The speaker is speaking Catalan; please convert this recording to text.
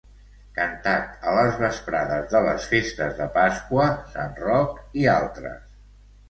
Cantat a les vesprades de les festes de Pasqua, sant Roc i altres.